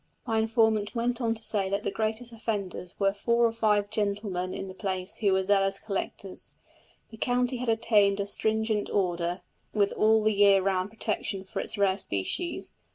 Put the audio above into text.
My informant went on to say that the greatest offenders were four or five gentlemen in the place who were zealous collectors. The county had obtained a stringent order, with all the year round protection for its rare species.